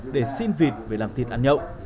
để xin vịt về làm thịt ăn nhậu